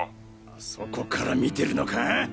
あそこから見てるのか？